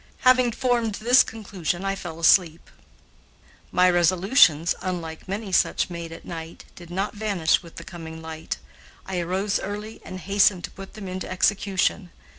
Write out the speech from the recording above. Having formed this conclusion I fell asleep. My resolutions, unlike many such made at night, did not vanish with the coming light. I arose early and hastened to put them into execution.